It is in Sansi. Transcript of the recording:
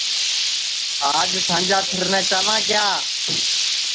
آج سانجا پیرنے چالاں کیا